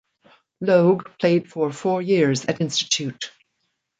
Logue played for four years at Institute.